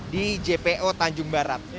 di jpo tanjung barat